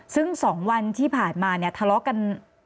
ซึ่ง๒วันที่ผ่านมาเนี่ยทะเลาะกัน